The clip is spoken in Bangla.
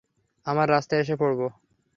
আমরা রাস্তায় এসে পড়ব!